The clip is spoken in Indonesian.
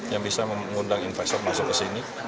yang bisa mengundang investor masuk ke sini